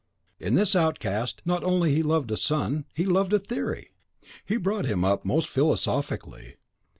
In this outcast he not only loved a son, he loved a theory! He brought him up most philosophically.